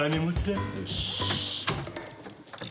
よし。